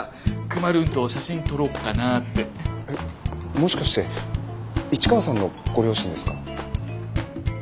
もしかして市川さんのご両親ですか？